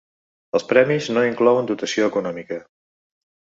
Els premis no inclouen dotació econòmica.